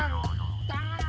aku juga nggak tau